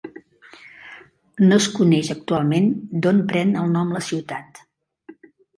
No es coneix actualment d'on pren el nom la ciutat.